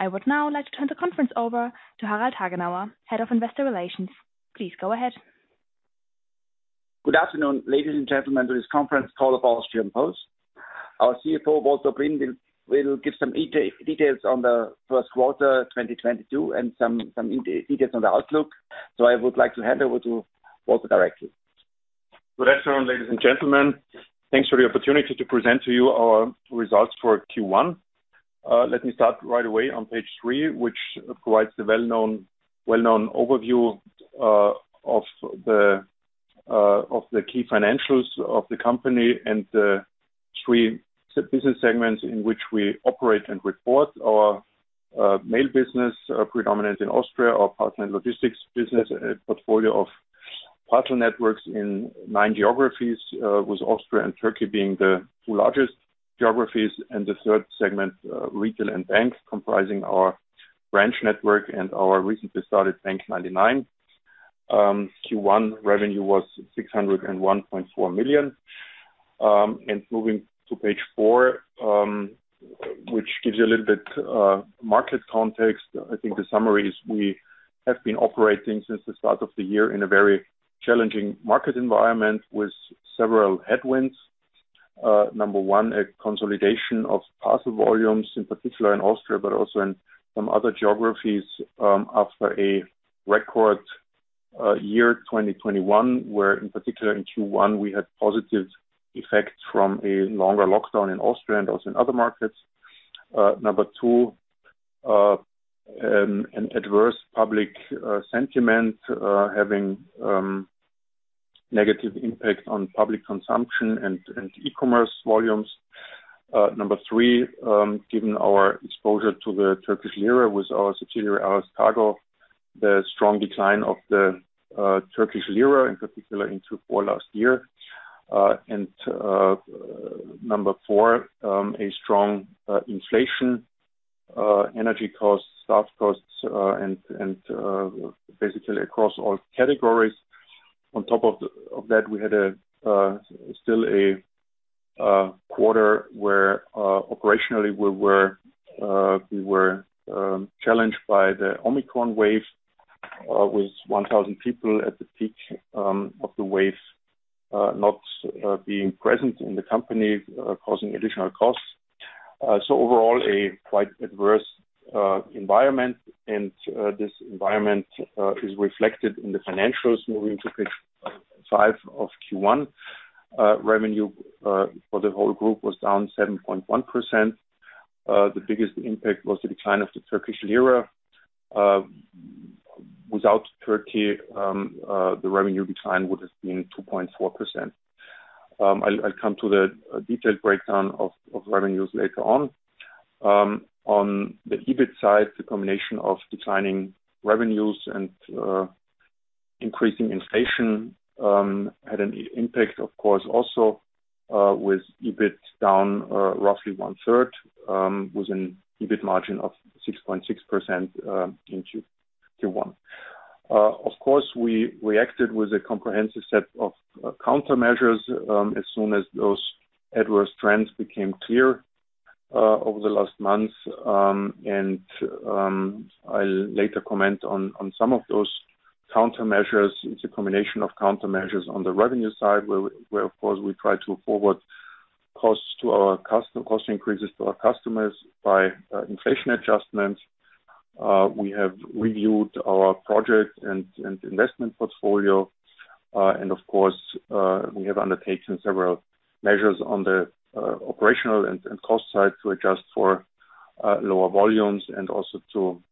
I would now like to turn the conference over to Harald Hagenauer, Head of Investor Relations. Please go ahead. Good afternoon, ladies and gentlemen, to this conference call of Austrian Post. Our CFO, Walter Oblin, will give some details on the first quarter 2022 and some details on the outlook. I would like to hand over to Walter directly. Good afternoon, ladies and gentlemen. Thanks for the opportunity to present to you our results for Q1. Let me start right away on page three, which provides the well-known overview of the key financials of the company and the three business segments in which we operate and report our mail business, predominant in Austria, our parcel and logistics business, a portfolio of parcel networks in nine geographies, with Austria and Turkey being the two largest geographies. The third segment, retail and banks, comprising our branch network and our recently started bank99. Q1 revenue was 601.4 million. Moving to page four, which gives you a little bit of market context. I think the summary is we have been operating since the start of the year in a very challenging market environment with several headwinds. Number one, a consolidation of parcel volumes, in particular in Austria, but also in some other geographies, after a record year, 2021, where in particular in Q1, we had positive effects from a longer lockdown in Austria and also in other markets. Number two, an adverse public sentiment having negative impact on public consumption and e-commerce volumes. Number three, given our exposure to the Turkish lira with our subsidiary, Aras Kargo, the strong decline of the Turkish lira, in particular in Q4 last year. Number four, a strong inflation, energy costs, staff costs, and basically across all categories. On top of that, we had still a quarter where operationally we were challenged by the Omicron wave with 1,000 people at the peak of the wave not being present in the company causing additional costs. Overall, a quite adverse environment. This environment is reflected in the financials. Moving to page five of Q1, revenue for the whole group was down 7.1%. The biggest impact was the decline of the Turkish lira. Without Turkey, the revenue decline would have been 2.4%. I'll come to the detailed breakdown of revenues later on. On the EBIT side, the combination of declining revenues and increasing inflation had an impact, of course, also with EBIT down roughly 1/3 with an EBIT margin of 6.6% in Q1. Of course, we reacted with a comprehensive set of countermeasures as soon as those adverse trends became clear over the last months. I'll later comment on some of those countermeasures. It's a combination of countermeasures on the revenue side, where, of course, we try to forward cost increases to our customers by inflation adjustments. We have reviewed our project and investment portfolio. Of course, we have undertaken several measures on the operational and cost side to adjust for lower volumes and also to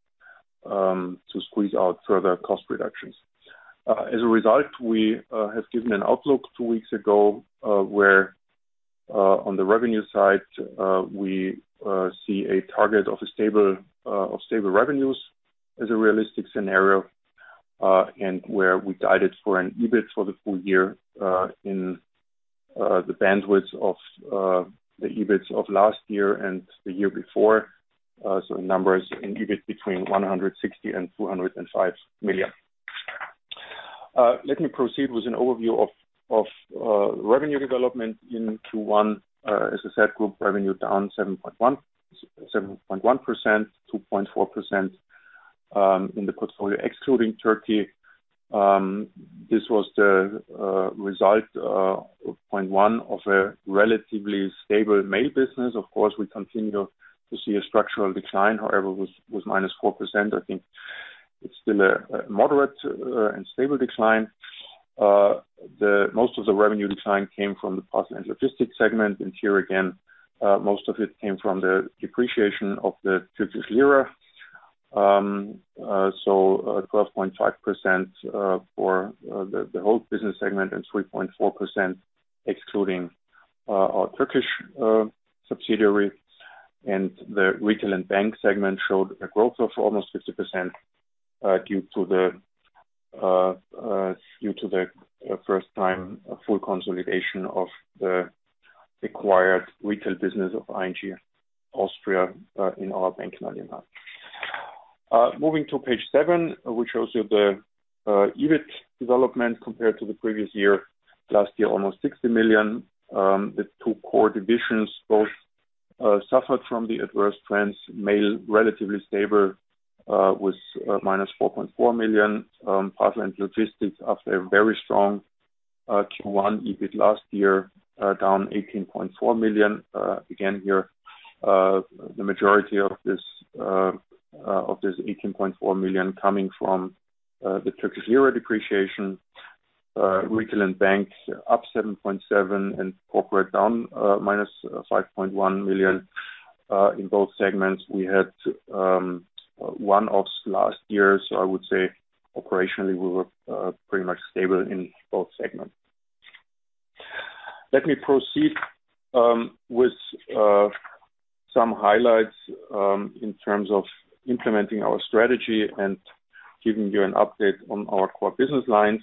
squeeze out further cost reductions. As a result, we have given an outlook two weeks ago, where on the revenue side, we see a target of stable revenues as a realistic scenario, and where we guided for an EBIT for the full year in the bandwidth of the EBIT of last year and the year before. Numbers in EBIT between 160 million and 205 million. Let me proceed with an overview of revenue development in Q1. As I said, group revenue down 7.1%, 2.4% in the portfolio, excluding Turkey. This was the result of a relatively stable mail business. Of course, we continue to see a structural decline, however, with -4%. I think it's still a moderate and stable decline. Most of the revenue decline came from the parcel and logistics segment. Here again, most of it came from the depreciation of the Turkish lira. 12.5% for the whole business segment and 3.4% excluding our Turkish subsidiary. The retail and bank segment showed a growth of almost 50%, due to the first time full consolidation of the acquired retail business of ING Austria in our bank99. Moving to page seven, which shows you the EBIT development compared to the previous year. Last year, almost 60 million, with two core divisions both suffered from the adverse trends. Mail relatively stable, with -4.4 million. Parcel and logistics after a very strong Q1 EBIT last year, down 18.4 million. Again here, the majority of this 18.4 million coming from the Turkish lira depreciation. Retail and bank up 7.7 million and corporate down -5.1 million. In both segments we had one-offs last year, so I would say operationally we were pretty much stable in both segments. Let me proceed with some highlights in terms of implementing our strategy and giving you an update on our core business lines.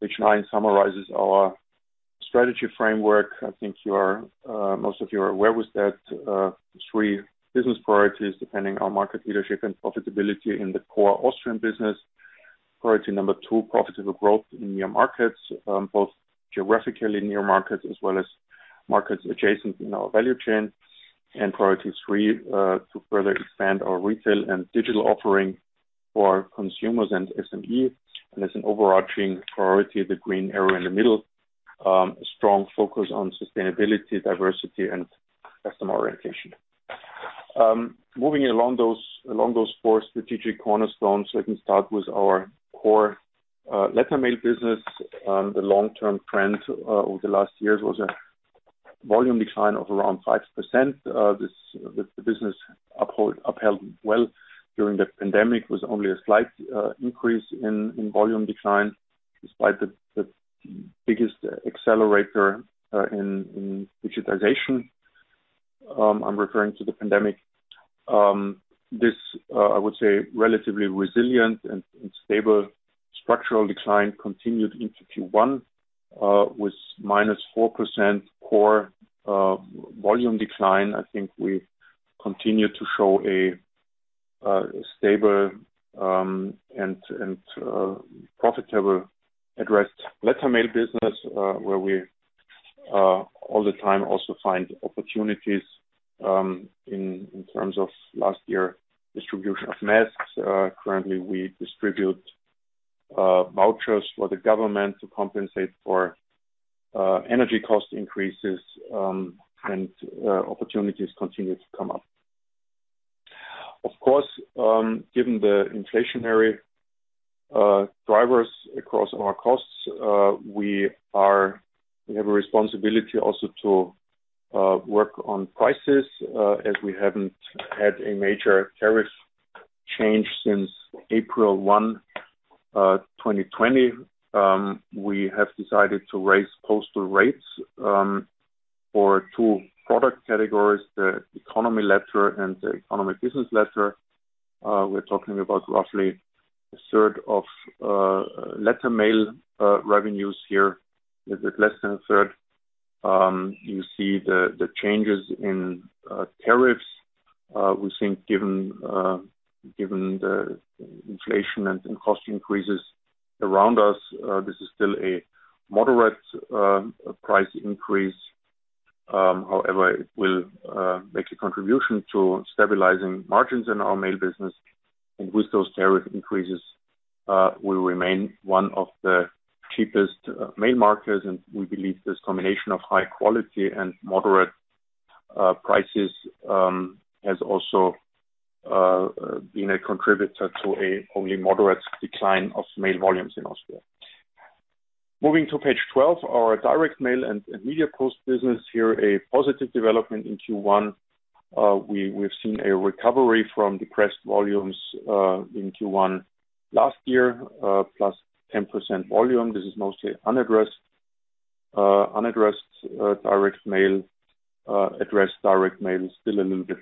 This slide summarizes our strategy framework. I think most of you are aware of that. Three business priorities. Priority one, market leadership and profitability in the core Austrian business. Priority number two, profitable growth in near markets, both geographically near markets as well as markets adjacent in our value chain. Priority three to further expand our retail and digital offering for consumers and SME. As an overarching priority, the green arrow in the middle, a strong focus on sustainability, diversity and customer orientation. Moving along those four strategic cornerstones, I can start with our core letter mail business. The long term trend over the last years was a volume decline of around 5%. This, with the business upheld well during the pandemic, was only a slight increase in volume decline despite the biggest accelerator in digitization. I'm referring to the pandemic. This, I would say, relatively resilient and stable structural decline continued into Q1 with -4% core volume decline. I think we continue to show a stable and profitable addressed letter mail business, where we all the time also find opportunities in terms of last year distribution of masks. Currently we distribute vouchers for the government to compensate for energy cost increases, and opportunities continue to come up. Of course, given the inflationary drivers across our costs, we have a responsibility also to work on prices, as we haven't had a major tariff change since April 1, 2020. We have decided to raise postal rates for two product categories, the economy letter and the economy business letter. We're talking about roughly a 1/3 of letter mail revenues here. Is it less than a 1/3? You see the changes in tariffs. We think given the inflation and cost increases around us, this is still a moderate price increase. However, it will make a contribution to stabilizing margins in our mail business. With those tariff increases, we remain one of the cheapest mail markets. We believe this combination of high quality and moderate prices has also been a contributor to only a moderate decline of mail volumes in Austria. Moving to page 12, our direct mail and Media Post business. Here, a positive development in Q1. We've seen a recovery from depressed volumes in Q1 last year, +10% volume. This is mostly unaddressed direct mail. Addressed direct mail is still a little bit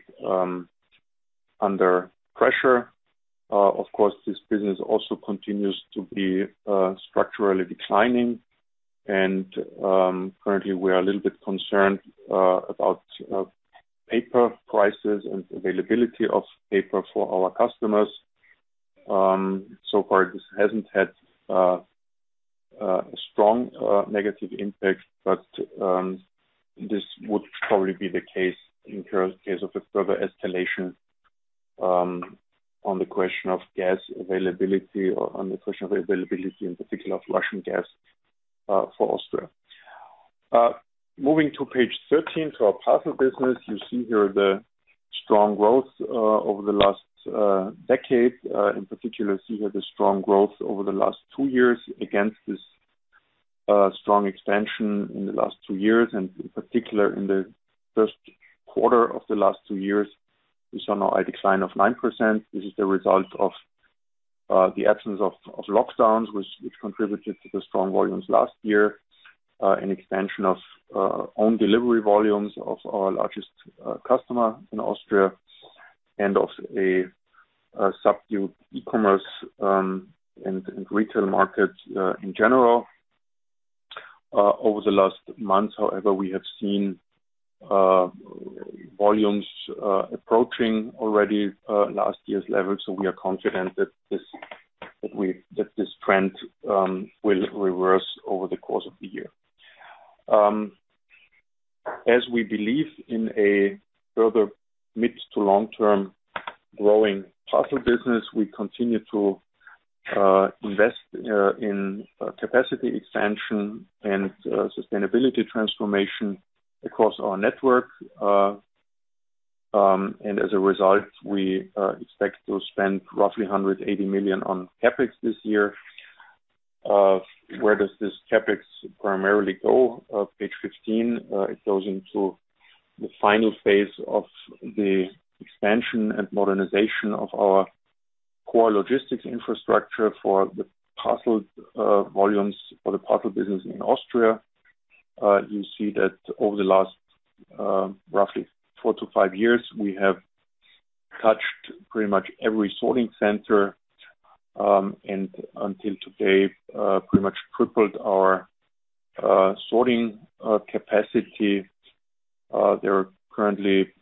under pressure. Of course, this business also continues to be structurally declining. Currently we are a little bit concerned about paper prices and availability of paper for our customers. So far this hasn't had a strong negative impact, but this would probably be the case in current case of a further escalation on the question of gas availability or on the question of availability in particular of Russian gas for Austria. Moving to page 13 to our parcel business. You see here the strong growth over the last decade. In particular, see here the strong growth over the last two years against this strong expansion in the last two years. In particular in the first quarter of the last two years, we saw now a decline of 9%. This is the result of the absence of lockdowns which contributed to the strong volumes last year. An expansion of own delivery volumes of our largest customer in Austria and of a subdued e-commerce and retail market in general. Over the last month, however, we have seen volumes approaching already last year's levels, so we are confident that this trend will reverse over the course of the year. As we believe in a further mid- to long-term growing parcel business, we continue to invest in capacity expansion and sustainability transformation across our network. As a result, we expect to spend roughly 180 million on CapEx this year. Where does this CapEx primarily go? Page 15, it goes into the final phase of the expansion and modernization of our core logistics infrastructure for the parcel volumes for the parcel business in Austria. You see that over the last, roughly four to five years, we have touched pretty much every sorting center, and until today, pretty much tripled our sorting capacity. There are currently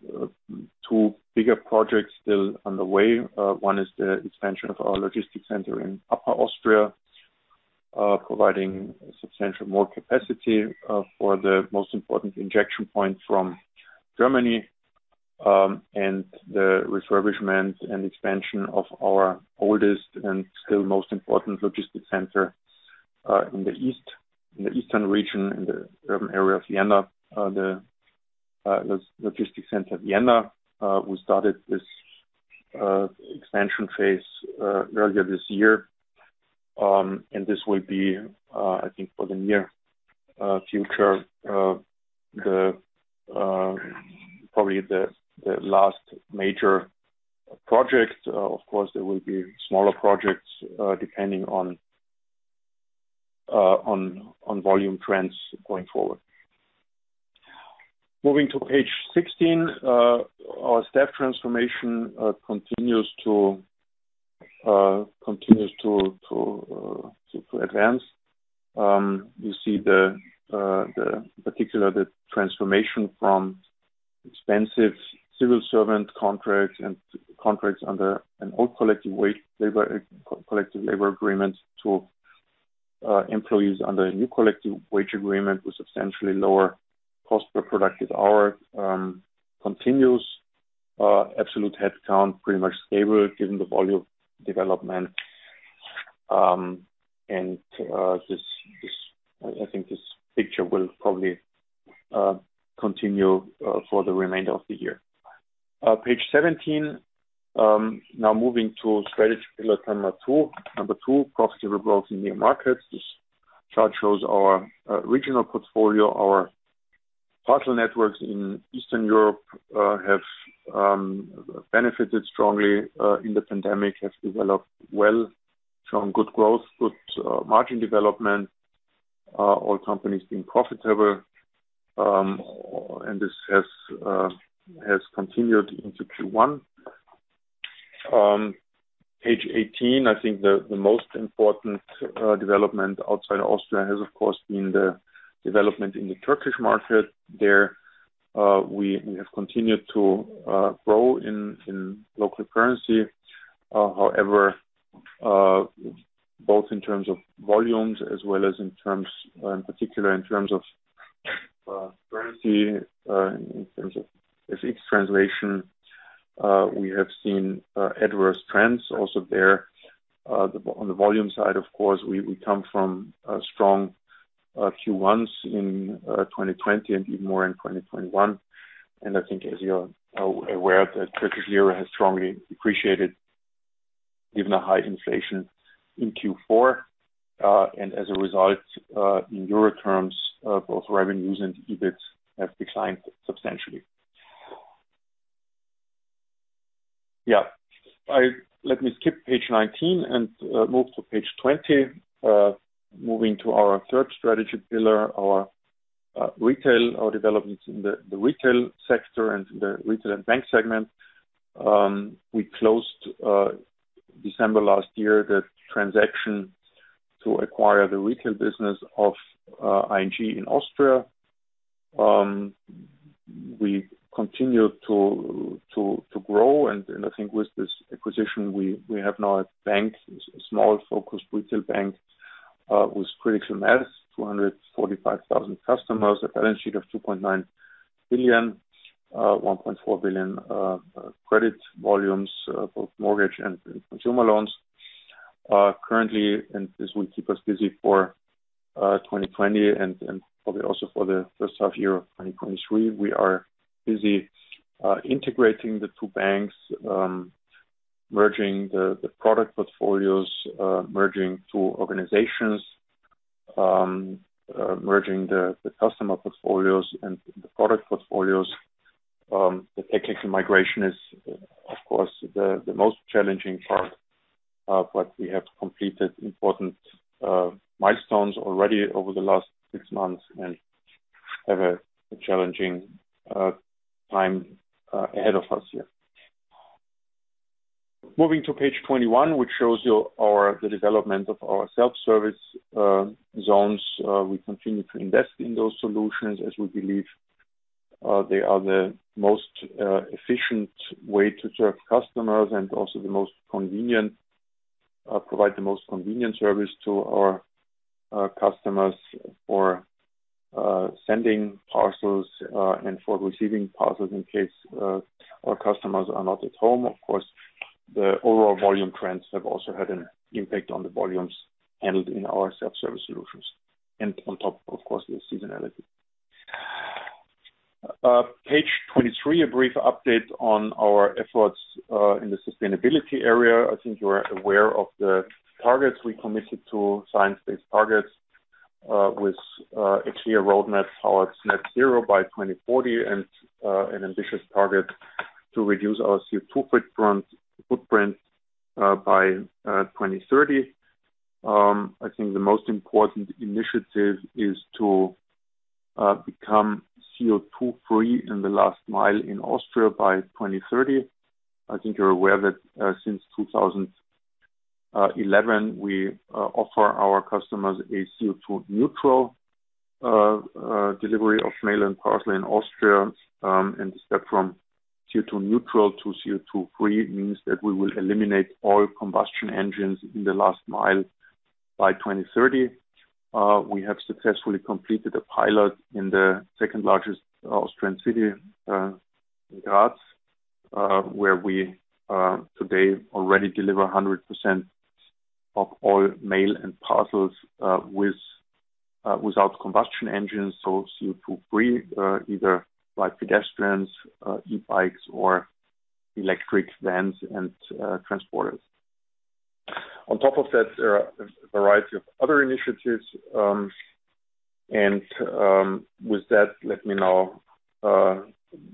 two bigger projects still on the way. One is the expansion of our logistics center in Upper Austria, providing substantially more capacity for the most important injection point from Germany, and the refurbishment and expansion of our oldest and still most important logistics center in the east, in the eastern region, in the area of Vienna. The logistics center Vienna, we started this expansion phase earlier this year, and this will be, I think, for the near future, probably the last major project. Of course, there will be smaller projects, depending on volume trends going forward. Moving to page 16, our staff transformation continues to advance. You see the particular transformation from expensive civil servant contracts and contracts under an old collective wage agreement to employees under a new collective wage agreement with substantially lower cost per productive hour continues, absolute headcount pretty much stable given the volume development. I think this picture will probably continue for the remainder of the year. Page 17, now moving to strategy pillar number two. Number two, profitable growth in new markets. This chart shows our regional portfolio, our parcel networks in Eastern Europe have benefited strongly in the pandemic, has developed well, shown good growth, good margin development, all companies being profitable, and this has continued into Q1. Page 18, I think the most important development outside Austria has, of course, been the development in the Turkish market. There, we have continued to grow in local currency. However, both in terms of volumes as well as in terms, in particular in terms of currency, in terms of FX translation, we have seen adverse trends also there. On the volume side, of course, we come from strong Q1s in 2020 and even more in 2021. I think as you are aware, the Turkish lira has strongly depreciated given the high inflation in Q4. As a result, in euro terms, both revenues and EBITs have declined substantially. Let me skip page 19 and move to page 20. Moving to our third strategy pillar, our retail developments in the retail sector and the retail and bank segment. We closed December last year the transaction to acquire the retail business of ING Austria. We continue to grow, and I think with this acquisition, we have now a bank, a small focused retail bank, with bank99, 245,000 customers, a balance sheet of 2.9 billion, 1.4 billion credit volumes, both mortgage and consumer loans. Currently, this will keep us busy for 2020 and probably also for the first half year of 2023. We are busy integrating the two banks, merging the product portfolios, merging two organizations, merging the customer portfolios and the product portfolios. The technical migration is, of course, the most challenging part, but we have completed important milestones already over the last six months and have a challenging time ahead of us here. Moving to page 21, which shows you the development of our self-service zones. We continue to invest in those solutions as we believe they are the most efficient way to serve customers and also the most convenient provide the most convenient service to our customers for sending parcels and for receiving parcels in case our customers are not at home. Of course, the overall volume trends have also had an impact on the volumes handled in our self-service solutions. On top of course, the seasonality. Page 23, a brief update on our efforts in the sustainability area. I think you are aware of the targets we committed to, science-based targets, with a clear roadmap towards net zero by 2040 and an ambitious target to reduce our CO2 footprint by 2030. I think the most important initiative is to become CO2 free in the last mile in Austria by 2030. I think you're aware that since 2011 we offer our customers a CO2 neutral delivery of mail and parcel in Austria. The step from CO2 neutral to CO2 free means that we will eliminate all combustion engines in the last mile by 2030. We have successfully completed a pilot in the second-largest Austrian city, Graz, where we today already deliver 100% of all mail and parcels without combustion engines, so CO2 free, either by pedestrians, e-bikes or electric vans and transporters. On top of that, there are a variety of other initiatives. With that, let me now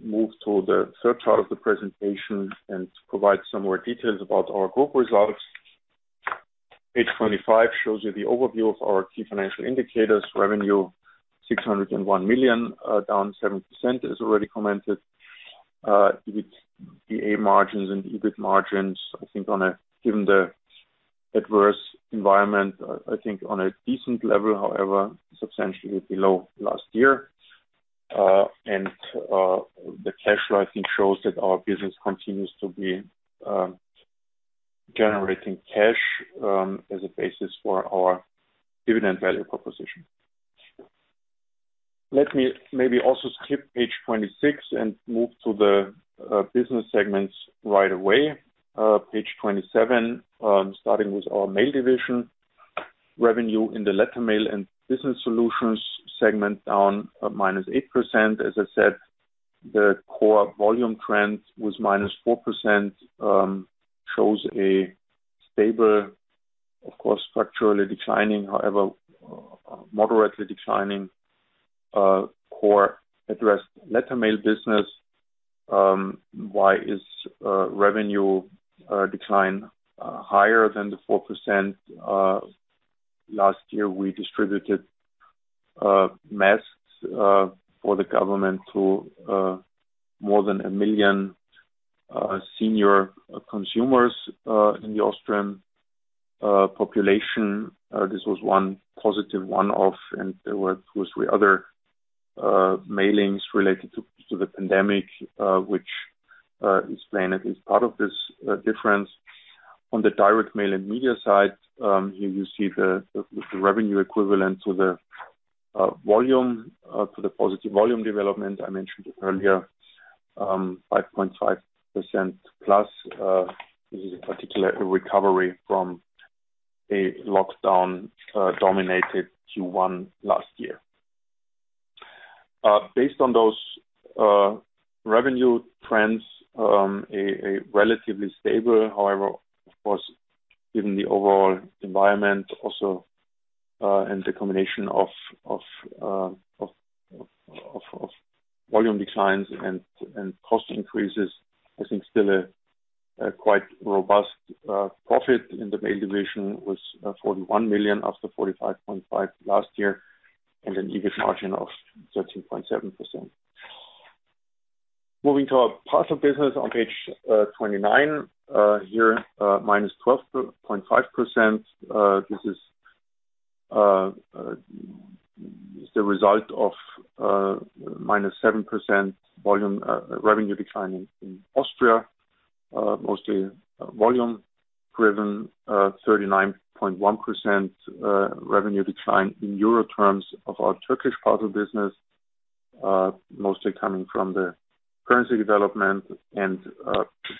move to the third part of the presentation and provide some more details about our group results. Page 25 shows you the overview of our key financial indicators. Revenue, 601 million, down 7% as already commented. EBITDA margins and EBIT margins, I think, given the adverse environment, on a decent level, however, substantially below last year. The cash flow, I think, shows that our business continues to be generating cash as a basis for our dividend value proposition. Let me maybe also skip page 26 and move to the business segments right away. Page 27, starting with our mail division. Revenue in the letter mail and business solutions segment down -8%. As I said, the core volume trend was -4% shows a stable, of course, structurally declining, however, moderately declining core addressed letter mail business. Why is revenue decline higher than the 4%? Last year, we distributed masks for the government to more than 1 million senior consumers in the Austrian population. This was one positive one-off, and there were two, three other mailings related to the pandemic, which explain at least part of this difference. On the direct mail and media side, here you see the revenue equivalent to the volume to the positive volume development I mentioned earlier, 5.5%+. This is in particular a recovery from a lockdown-dominated Q1 last year. Based on those revenue trends, a relatively stable, however, of course, given the overall environment also, and the combination of volume declines and cost increases, I think still a quite robust profit in the mail division was 41 million after 45.5 million last year, and an EBIT margin of 13.7%. Moving to our parcel business on page 29 here, -12.5%. This is the result of -7% volume revenue decline in Austria, mostly volume-driven, -39.1% revenue decline in euro terms of our Turkish parcel business, mostly coming from the currency development and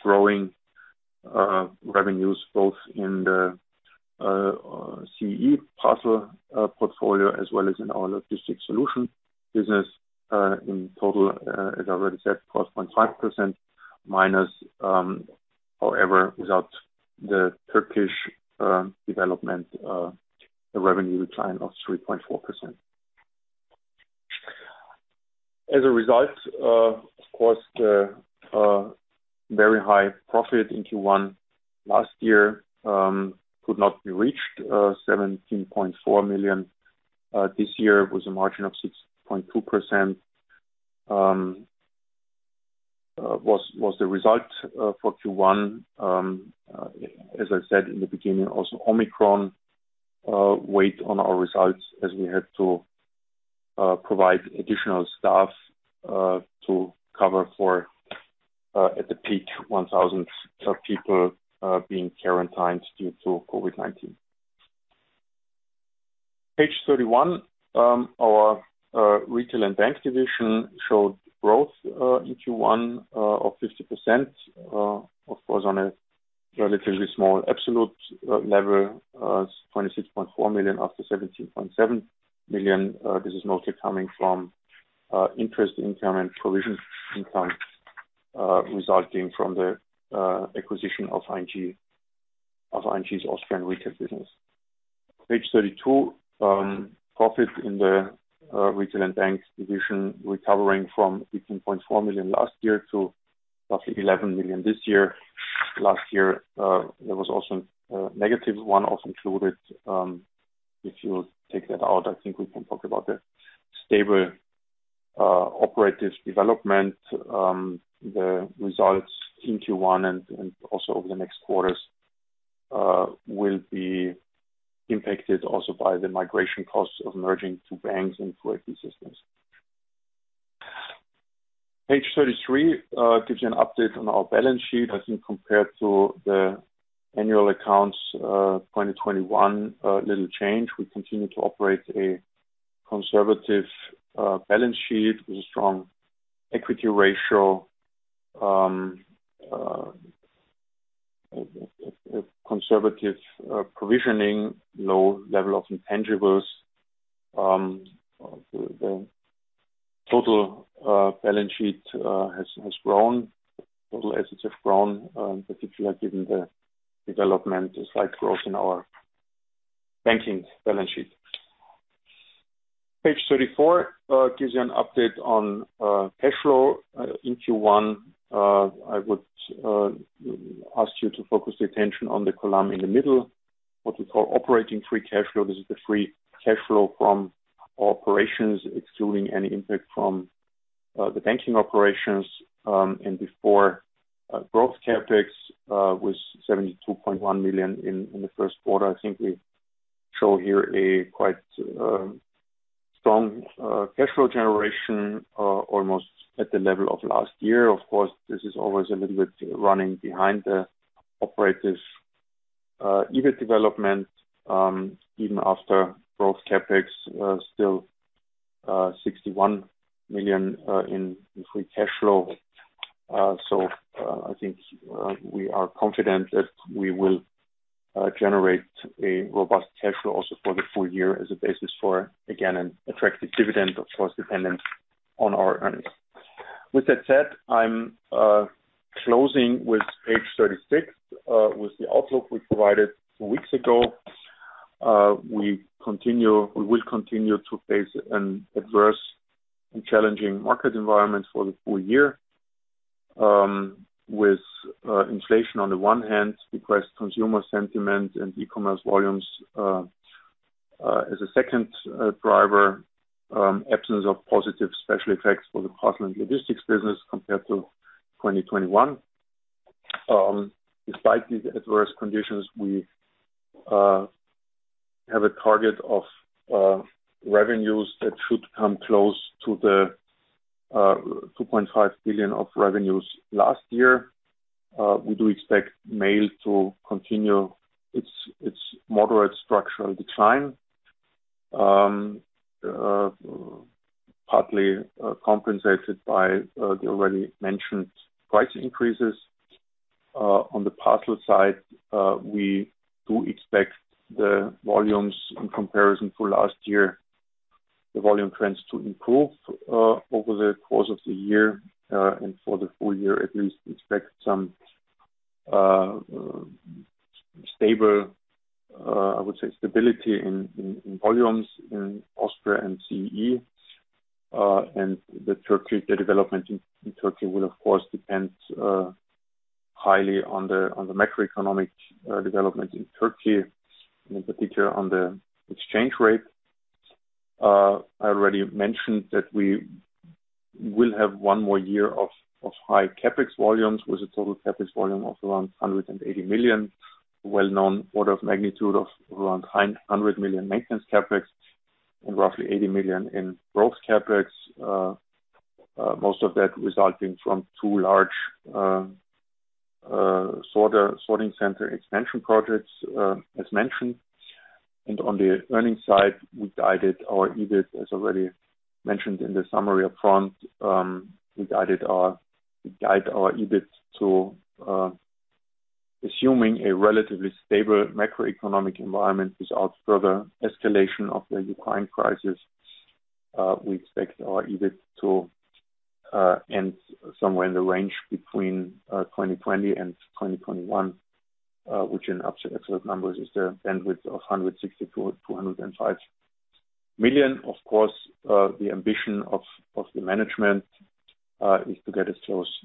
growing revenues both in the CEP parcel portfolio as well as in our logistics solution business. In total, as I already said, -4.5%. However, without the Turkish development, the revenue decline of -3.4%. As a result, of course, the very high profit in Q1 last year could not be reached. 17.4 million this year with a margin of 6.2% was the result for Q1. As I said in the beginning, also Omicron weighed on our results as we had to provide additional staff to cover for, at the peak, 1,000 people being quarantined due to COVID-19. Page 31, our retail and bank division showed growth in Q1 of 50%. Of course on a relatively small absolute level, 26.4 million after 17.7 million. This is mostly coming from interest income and provision income resulting from the acquisition of ING's Austrian retail business. Page 32, profit in the retail and banks division recovering from 18.4 million last year to roughly 11 million this year. Last year, there was also a -1 million also included. If you take that out, I think we can talk about the stable operational development. The results in Q1 and also over the next quarters will be impacted also by the migration costs of merging two banks into IT systems. Page 33 gives you an update on our balance sheet. I think compared to the annual accounts, 2021, little change. We continue to operate a conservative balance sheet with a strong equity ratio, a conservative provisioning, low level of intangibles. The total balance sheet has grown. Total assets have grown, particularly given the development and slight growth in our banking balance sheet. Page 34 gives you an update on cash flow in Q1. I would ask you to focus the attention on the column in the middle, what we call operating free cash flow. This is the free cash flow from operations, excluding any impact from the banking operations, and before growth CapEx, was 72.1 million in the first quarter. I think we show here a quite strong cash flow generation, almost at the level of last year. Of course, this is always a little bit running behind the operators EBIT development, even after growth CapEx, still 61 million in free cash flow. I think we are confident that we will generate a robust cash flow also for the full year as a basis for, again, an attractive dividend, of course, dependent on our earnings. With that said, I'm closing with page 36 with the outlook we provided four weeks ago. We will continue to face an adverse and challenging market environment for the full year, with inflation on the one hand, depressed consumer sentiment and e-commerce volumes, as a second driver, absence of positive special effects for the parcel and logistics business compared to 2021. Despite these adverse conditions, we have a target of revenues that should come close to the 2.5 billion of revenues last year. We do expect mail to continue its moderate structural decline, partly compensated by the already mentioned price increases. On the parcel side, we do expect the volumes in comparison to last year, the volume trends to improve over the course of the year, and for the full year at least expect some stable, I would say stability in volumes in Austria and CEE. The development in Turkey will of course depend highly on the macroeconomic development in Turkey, and in particular on the exchange rate. I already mentioned that we will have one more year of high CapEx volumes, with a total CapEx volume of around 180 million. Order of magnitude of around 100 million maintenance CapEx and roughly 80 million in growth CapEx. Most of that resulting from two large sorting center expansion projects, as mentioned. On the earnings side, we guided our EBIT, as already mentioned in the summary up front. We guide our EBIT to, assuming a relatively stable macroeconomic environment without further escalation of the Ukraine crisis. We expect our EBIT to end somewhere in the range between 2020 and 2021, which in absolute numbers is the bandwidth of 164 million-165 million. Of course, the ambition of the management is to get close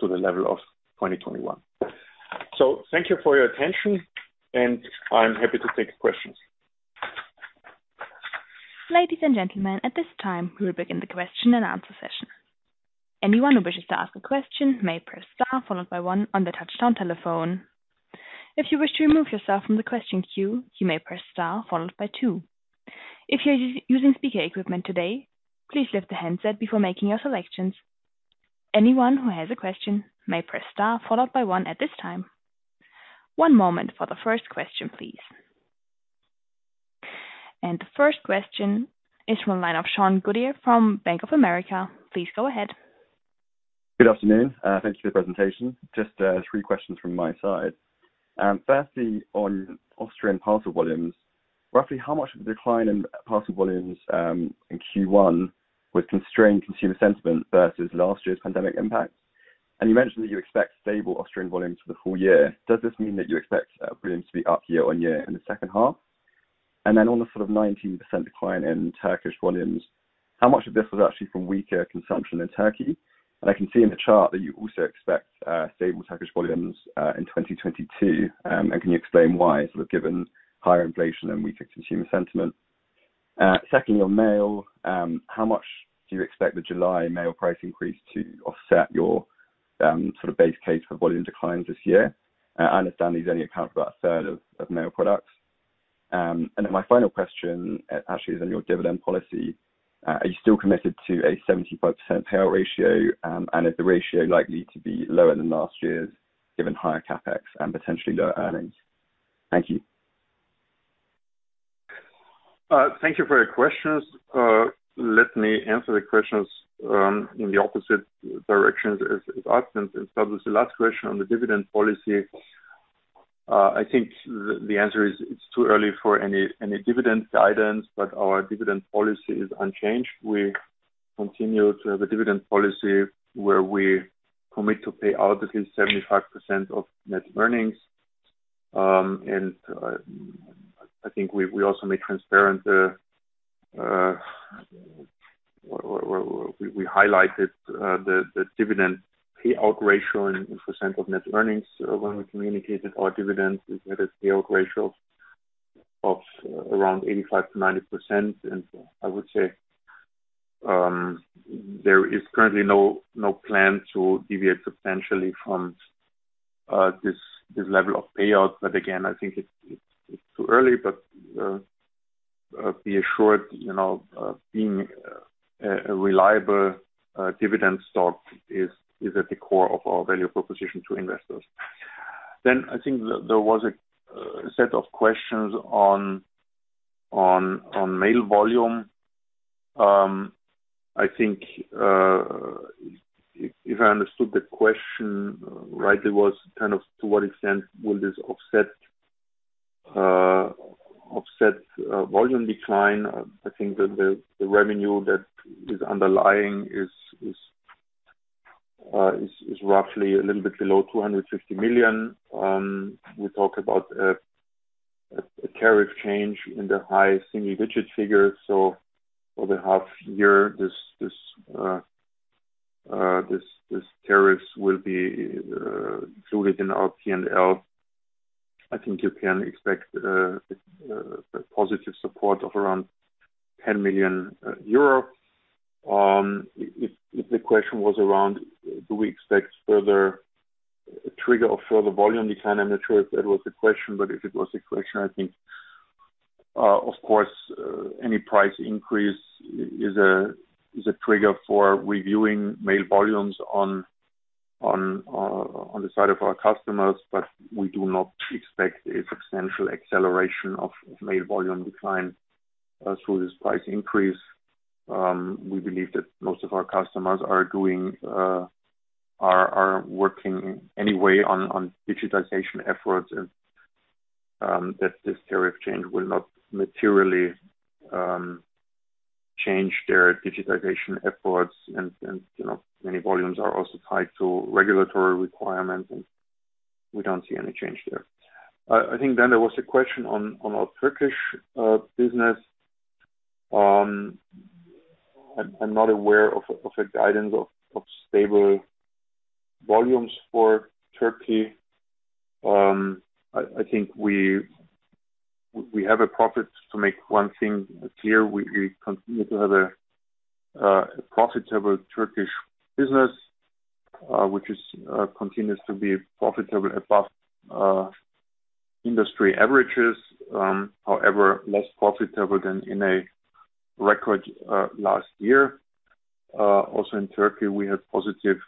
to the level of 2021. Thank you for your attention, and I'm happy to take questions. Ladies and gentlemen, at this time, we will begin the question and answer session. Anyone who wishes to ask a question may press star followed by one on their touchtone telephone. If you wish to remove yourself from the question queue, you may press star followed by two. If you're using speaker equipment today, please lift the handset before making your selections. Anyone who has a question may press star followed by one at this time. One moment for the first question, please. The first question is from a line of Sathish Sivakumar from Bank of America. Please go ahead. Good afternoon. Thank you for the presentation. Just three questions from my side. Firstly, on Austrian parcel volumes, roughly how much of the decline in parcel volumes in Q1 would constrain consumer sentiment versus last year's pandemic impact? You mentioned that you expect stable Austrian volumes for the full year. Does this mean that you expect volumes to be up year-over-year in the second half? Then on the sort of 19% decline in Turkish volumes, how much of this was actually from weaker consumption in Turkey? I can see in the chart that you also expect stable Turkish volumes in 2022. Can you explain why, sort of given higher inflation and weaker consumer sentiment? Second, your mail. How much do you expect the July mail price increase to offset your sort of base case for volume declines this year? I understand these only account for about a 1/3 of mail products. My final question actually is on your dividend policy. Are you still committed to a 75% payout ratio? Is the ratio likely to be lower than last year's given higher CapEx and potentially lower earnings? Thank you. Thank you for your questions. Let me answer the questions in the opposite direction as asked. Start with the last question on the dividend policy. I think the answer is it's too early for any dividend guidance, but our dividend policy is unchanged. We continue to have a dividend policy where we commit to pay out at least 75% of net earnings. I think we also made transparent we highlighted the dividend payout ratio in percent of net earnings when we communicated our dividends is at a payout ratio of around 85%-90%. I would say there is currently no plan to deviate substantially from this level of payout. Again, I think it's too early. Be assured, you know, being a reliable dividend stock is at the core of our value proposition to investors. I think there was a set of questions on mail volume. I think, if I understood the question rightly, was kind of to what extent will this offset volume decline? I think that the revenue that is underlying is roughly a little bit below 250 million. We talk about a tariff change in the high single-digit figures. Over the half year, this tariff will be included in our P&L. I think you can expect a positive support of around 10 million euro. If the question was around do we expect further trigger of volume decline? I'm not sure if that was the question, but if it was the question, I think of course any price increase is a trigger for reviewing mail volumes on the side of our customers. We do not expect a substantial acceleration of mail volume decline through this price increase. We believe that most of our customers are working anyway on digitization efforts and that this tariff change will not materially change their digitization efforts. You know, many volumes are also tied to regulatory requirements, and we don't see any change there. I think then there was a question on our Turkish business. I'm not aware of a guidance of stable volumes for Turkey. I think we have to make one thing clear. We continue to have a profitable Turkish business, which continues to be profitable above industry averages, however, less profitable than in a record last year. Also in Turkey, we had positive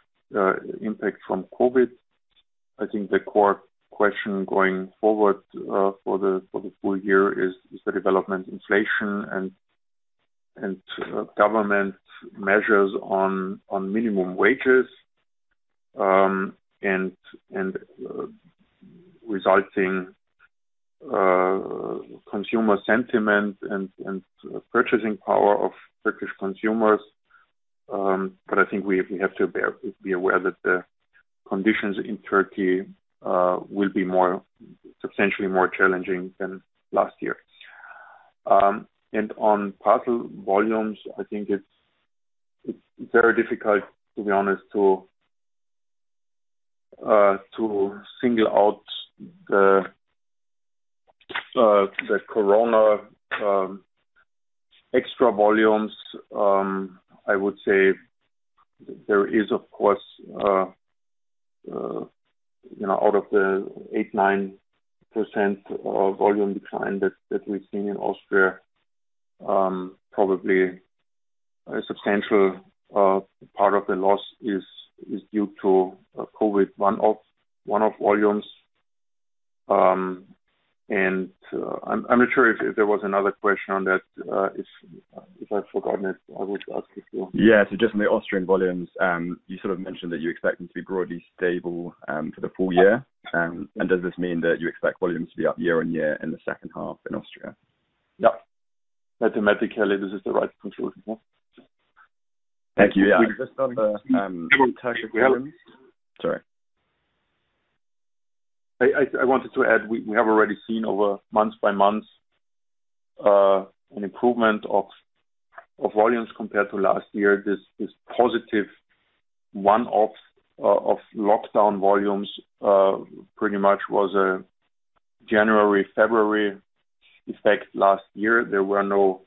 impact from COVID. I think the core question going forward for the full year is the development of inflation and government measures on minimum wages and resulting consumer sentiment and purchasing power of Turkish consumers. But I think we have to be aware that the conditions in Turkey will be substantially more challenging than last year. On parcel volumes, I think it's very difficult, to be honest, to single out the corona extra volumes. I would say there is, of course, you know, out of the 8%-9% of volume decline that we've seen in Austria, probably a substantial part of the loss is due to COVID one-off volumes. I'm not sure if there was another question on that. If I've forgotten it, I would ask it too. Yeah. Just on the Austrian volumes, you sort of mentioned that you expect them to be broadly stable for the full year. Does this mean that you expect volumes to be up year on year in the second half in Austria? Yeah. Mathematically, this is the right conclusion, yeah. Thank you. Yeah. Just on the Sorry. I wanted to add, we have already seen month-over-month an improvement of volumes compared to last year. This positive one-off of lockdown volumes pretty much was a January, February effect last year. There were no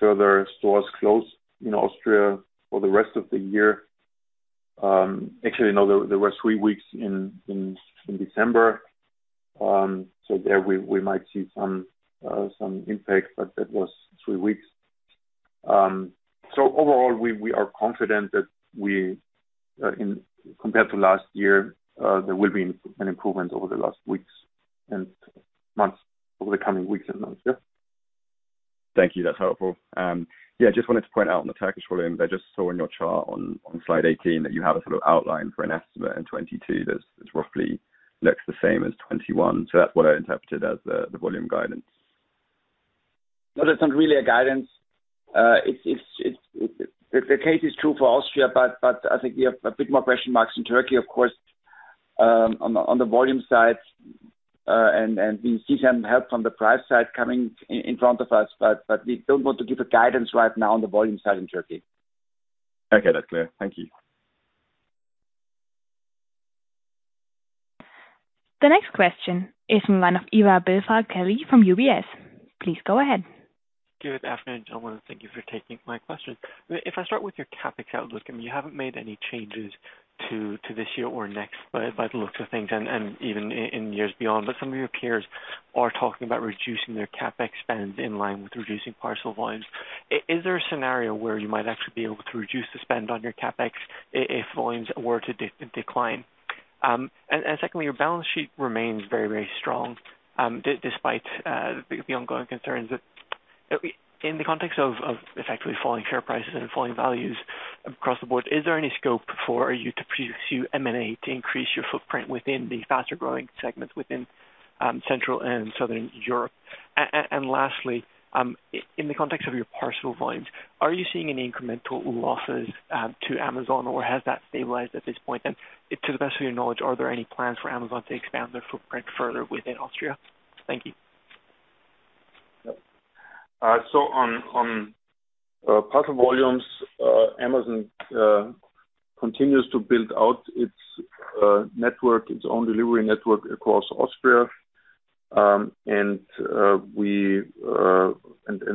further stores closed in Austria for the rest of the year. Actually no, there were three weeks in December. So there we might see some impact, but that was three weeks. So overall we are confident that compared to last year, there will be an improvement over the last weeks and months, over the coming weeks and months. Thank you. That's helpful. Yeah, just wanted to point out on the Turkish volume, I just saw in your chart on slide 18 that you have a sort of outline for an estimate in 2022 that's roughly looks the same as 2021. That's what I interpreted as the volume guidance. No, that's not really a guidance. The case is true for Austria, but I think we have a bit more question marks in Turkey, of course, on the volume side. We see some help from the price side coming in front of us, but we don't want to give a guidance right now on the volume side in Turkey. Okay. That's clear. Thank you. The next question is from the line of Ivar Billfalk-Kelly from UBS. Please go ahead. Good afternoon, gentlemen. Thank you for taking my question. If I start with your CapEx outlook, I mean, you haven't made any changes to this year or next by the looks of things and even in years beyond. Some of your peers are talking about reducing their CapEx spends in line with reducing parcel volumes. Is there a scenario where you might actually be able to reduce the spend on your CapEx if volumes were to decline? Secondly, your balance sheet remains very strong despite the ongoing concerns that in the context of effectively falling share prices and falling values across the board, is there any scope for you to pursue M&A to increase your footprint within the faster-growing segments within Central and Southern Europe? Lastly, in the context of your parcel volumes, are you seeing any incremental losses to Amazon, or has that stabilized at this point? To the best of your knowledge, are there any plans for Amazon to expand their footprint further within Austria? Thank you. On parcel volumes, Amazon continues to build out its network, its own delivery network across Austria.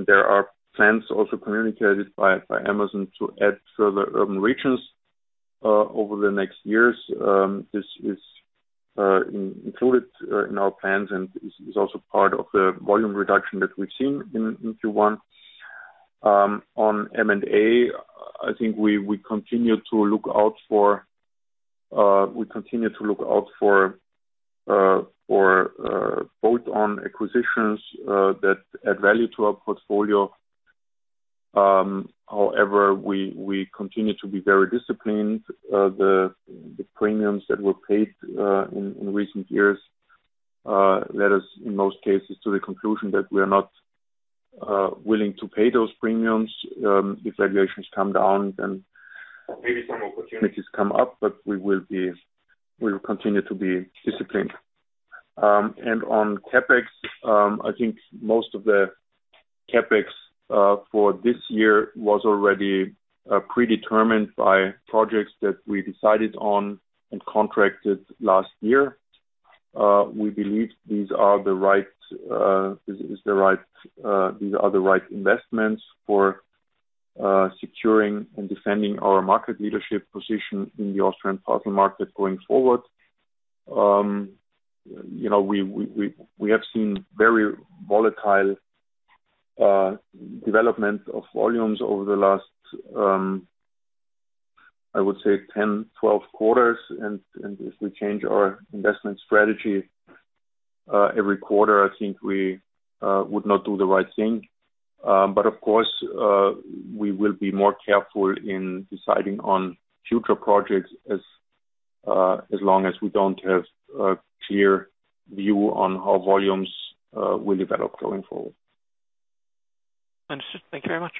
There are plans also communicated by Amazon to add further urban regions over the next years. This is included in our plans and is also part of the volume reduction that we've seen in Q1. On M&A, I think we continue to look out for both on acquisitions that add value to our portfolio. However, we continue to be very disciplined. The premiums that were paid in recent years led us, in most cases, to the conclusion that we are not willing to pay those premiums. If valuations come down, then maybe some opportunities come up, but we will continue to be disciplined. On CapEx, I think most of the CapEx for this year was already predetermined by projects that we decided on and contracted last year. We believe these are the right investments for securing and defending our market leadership position in the Austrian parcel market going forward. You know, we have seen very volatile development of volumes over the last, I would say 10, 12 quarters. If we change our investment strategy every quarter, I think we would not do the right thing. Of course, we will be more careful in deciding on future projects as long as we don't have a clear view on how volumes will develop going forward. Understood. Thank you very much.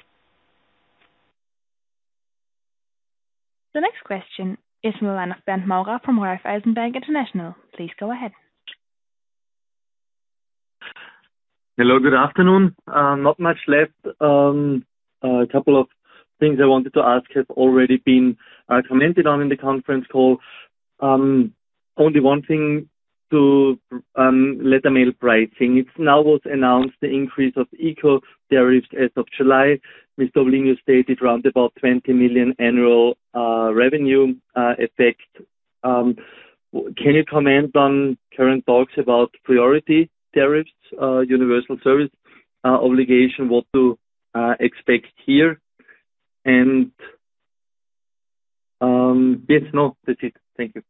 The next question is from the line of Bernd Maurer from Raiffeisen Bank International. Please go ahead. Hello, good afternoon. Not much left. A couple of things I wanted to ask have already been commented on in the conference call. Only one thing to letter mail pricing. It now was announced the increase of eco tariffs as of July. Mr. Oblin stated about 20 million annual revenue effect. Can you comment on current talks about priority tariffs, universal service obligation, what to expect here? If not, that's it. Thank you.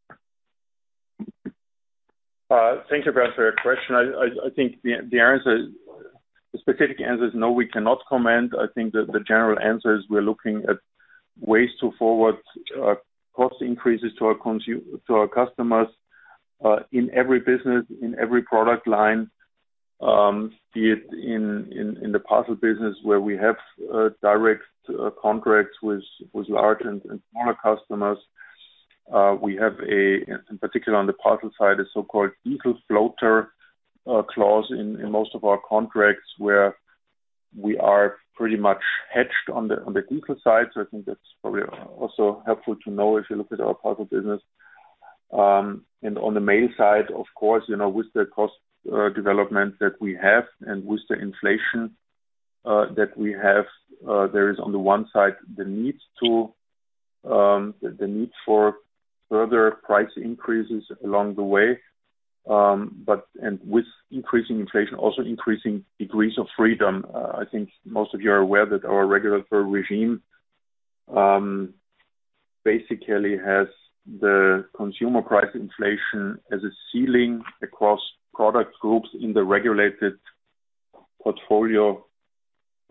Thank you for that question. I think the answer, the specific answer is no, we cannot comment. I think that the general answer is we're looking at ways to forward cost increases to our customers in every business, in every product line, be it in the parcel business, where we have direct contracts with large and smaller customers. We have, in particular on the parcel side, a so-called diesel floater clause in most of our contracts, where we are pretty much hedged on the diesel side. I think that's probably also helpful to know if you look at our parcel business. On the mail side, of course, you know, with the cost development that we have, and with the inflation that we have, there is on the one side the need for further price increases along the way. With increasing inflation, also increasing degrees of freedom. I think most of you are aware that our regulatory regime basically has the consumer price inflation as a ceiling across product groups in the regulated portfolio, as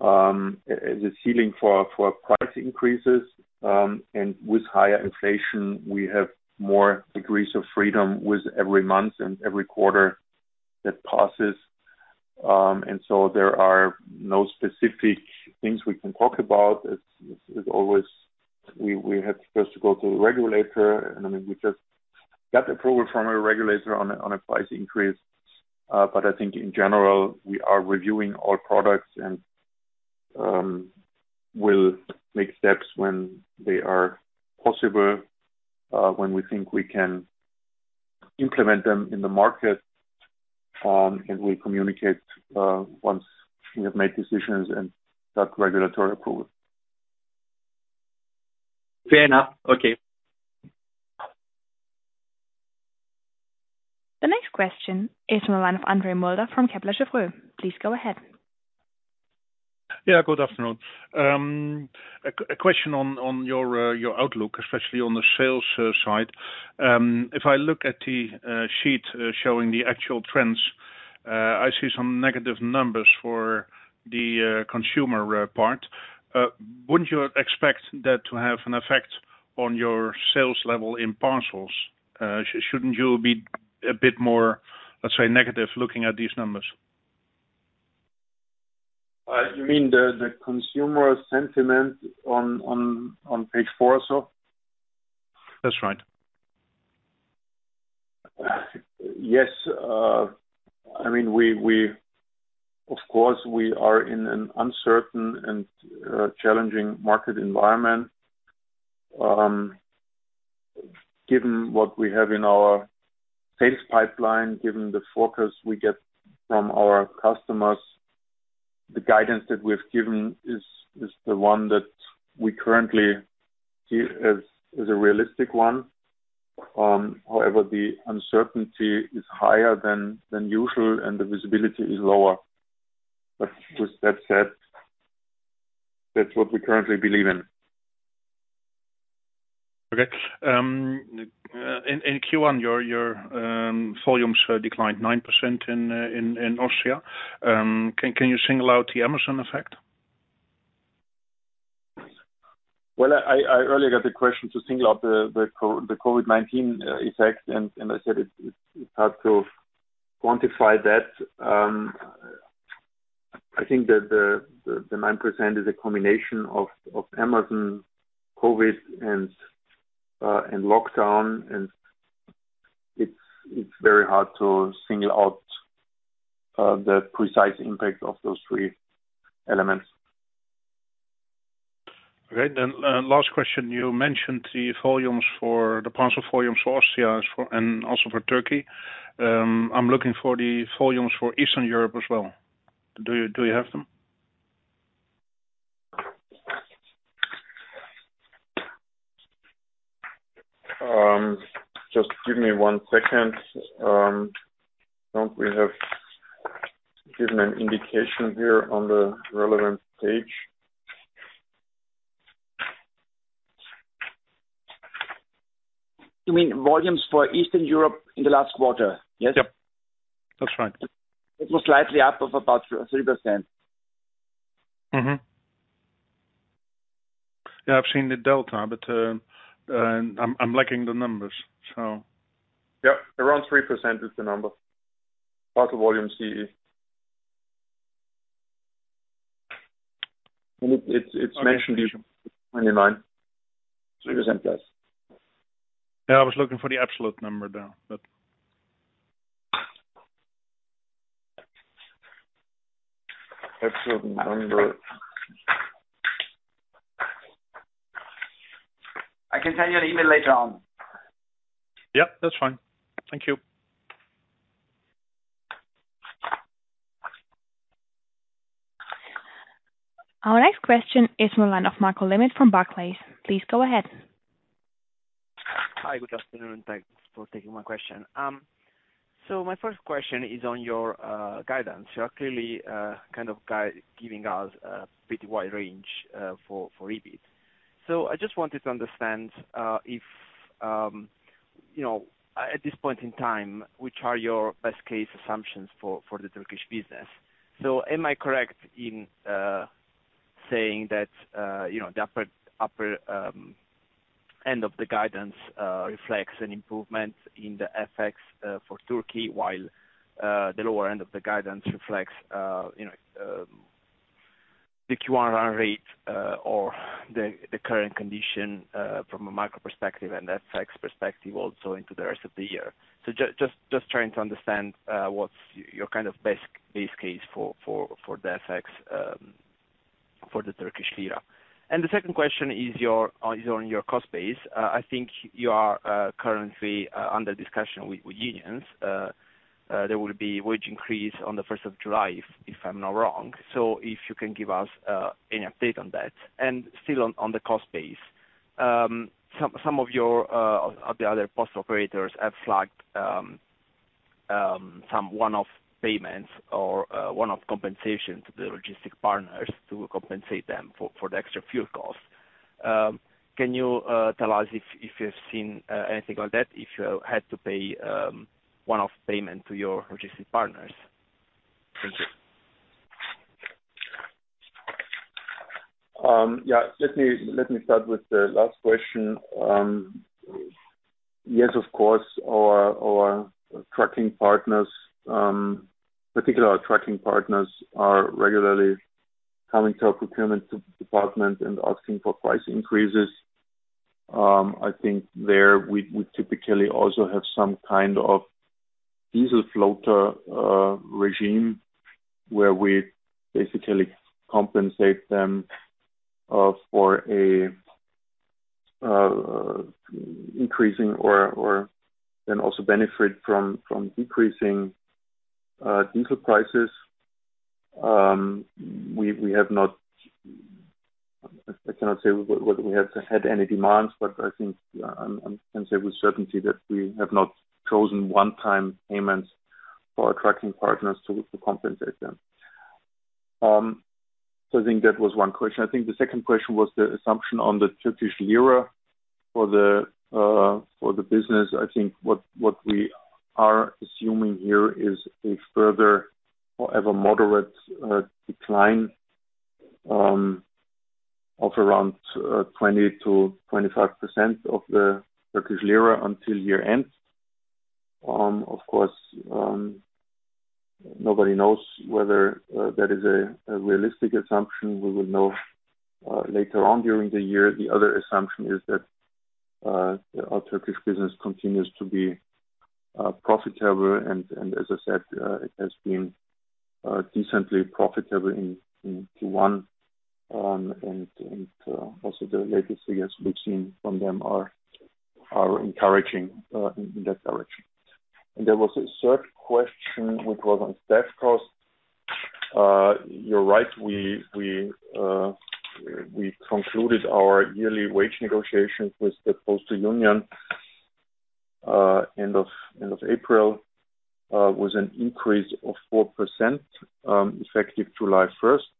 a ceiling for price increases. With higher inflation, we have more degrees of freedom with every month and every quarter that passes. There are no specific things we can talk about. As always, we have first to go to the regulator, and then we just get approval from our regulator on a price increase. I think in general, we are reviewing all products and we'll make steps when they are possible, when we think we can implement them in the market, and we communicate once we have made decisions and got regulatory approval. Fair enough. Okay. The next question is from the line of Andre Mulder from Kepler Cheuvreux. Please go ahead. Yeah, good afternoon. A Q and A question on your outlook, especially on the sales side. If I look at the sheet showing the actual trends, I see some negative numbers for the consumer part. Wouldn't you expect that to have an effect on your sales level in parcels? Shouldn't you be a bit more, let's say, negative looking at these numbers? You mean the consumer sentiment on page four, so? That's right. Yes. I mean, of course, we are in an uncertain and challenging market environment. Given what we have in our sales pipeline, given the focus we get from our customers, the guidance that we've given is the one that we currently see as a realistic one. However, the uncertainty is higher than usual, and the visibility is lower. With that said, that's what we currently believe in. Okay. In Q1, your volumes declined 9% in Austria. Can you single out the Amazon effect? Well, I earlier got the question to single out the COVID-19 effect, and I said it's hard to quantify that. I think that the 9% is a combination of Amazon, COVID, and lockdown, and it's very hard to single out the precise impact of those three elements. Okay. Last question. You mentioned the parcel volumes for Austria and also for Turkey. I'm looking for the volumes for Eastern Europe as well. Do you have them? Just give me one second. I think we have given an indication here on the relevant page. You mean volumes for Eastern Europe in the last quarter, yes? Yep. That's right. It was slightly up by about 3%. Mm-hmm. Yeah, I've seen the delta, but I'm lacking the numbers, so. Yep. Around 3% is the number. Parcel volume CEP. It's mentioned here. 29.3% less. Yeah, I was looking for the absolute number there, but. Absolute number. I can send you an email later on. Yep, that's fine. Thank you. Our next question is from the line of Marco Limite from Barclays. Please go ahead. Hi, good afternoon, and thanks for taking my question. My first question is on your guidance. You are clearly kind of giving us a pretty wide range for EBIT. I just wanted to understand, if you know, at this point in time, which are your best case assumptions for the Turkish business. Am I correct in saying that, you know, the upper end of the guidance reflects an improvement in the FX for Turkey while the lower end of the guidance reflects, you know, the churn rate or the current condition from a macro perspective and FX perspective also into the rest of the year. Just trying to understand what's your kind of base case for the FX for the Turkish lira. The second question is on your own cost base. I think you are currently under discussion with unions. There will be wage increase on the first of July, if I'm not wrong. If you can give us any update on that. Still on the cost base. Some of the other postal operators have flagged some one-off payments or one-off compensation to the logistics partners to compensate them for the extra fuel costs. Can you tell us if you've seen anything like that, if you had to pay one-off payment to your logistics partners? Thank you. Yeah. Let me start with the last question. Yes, of course, our trucking partners, particularly our trucking partners, are regularly coming to our procurement department and asking for price increases. I think we typically also have some kind of diesel floater regime where we basically compensate them for increasing or then also benefit from decreasing diesel prices. We have not. I cannot say whether we have had any demands, but I think I can say with certainty that we have not chosen one-time payments for our trucking partners to compensate them. I think that was one question. I think the second question was the assumption on the Turkish lira for the business. I think we are assuming here is a further, however moderate decline of around 20%-25% of the Turkish lira until year-end. Of course, nobody knows whether that is a realistic assumption. We will know later on during the year. The other assumption is that our Turkish business continues to be profitable, and as I said, it has been decently profitable in Q1. And also the latest figures we've seen from them are encouraging in that direction. There was a third question, which was on staff costs. You're right, we concluded our yearly wage negotiations with the postal union end of April with an increase of 4%, effective July 1st.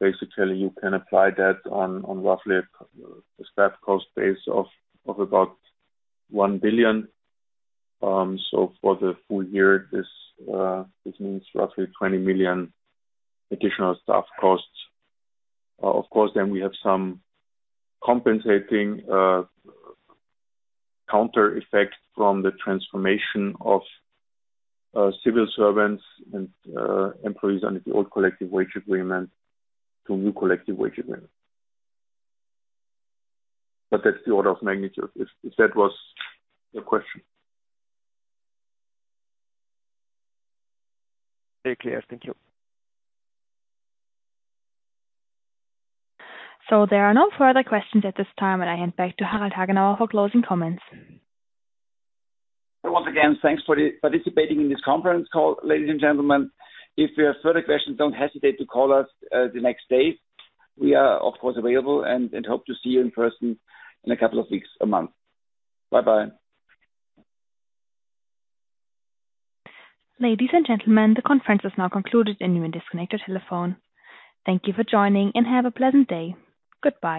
Basically, you can apply that on roughly a staff cost base of about 1 billion. For the full year, this means roughly 20 million additional staff costs. Of course, we have some compensating counter effect from the transformation of civil servants and employees under the old collective wage agreement to new collective wage agreement. That's the order of magnitude, if that was your question. Very clear. Thank you. There are no further questions at this time. I hand back to Harald Hagenauer for closing comments. Once again, thanks for participating in this conference call, ladies and gentlemen. If you have further questions, don't hesitate to call us the next day. We are, of course, available and hope to see you in person in a couple of weeks or month. Bye-bye. Ladies and gentlemen, the conference is now concluded. You may disconnect your telephone. Thank you for joining, and have a pleasant day. Goodbye.